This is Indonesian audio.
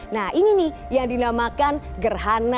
nah ini nih yang dinamakan gerhana